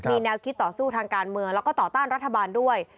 มีแนวคิดต่อสู้ทางการเมืองแล้วก็ต่อต้านรัฐบาลด้วย